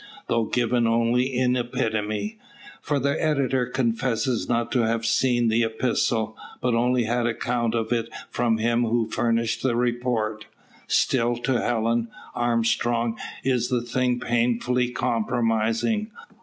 Though given only in epitome for the editor confesses not to have seen the epistle, but only had account of it from him who furnished the report still to Helen Armstrong is the thing painfully compromising.